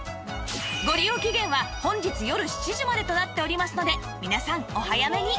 ご利用期限は本日よる７時までとなっておりますので皆さんお早めに